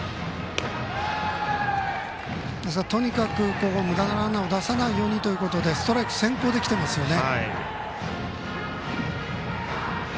ですがとにかくここはむだなランナーを出さないようにとストライク先行できていますね。